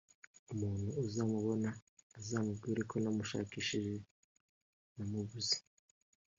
umuntu uzamubona azamubwire ko namushakishije namubuze